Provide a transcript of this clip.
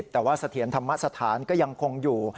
แต่ว่าเสถียรธรรมสถานก็ยังคงอยู่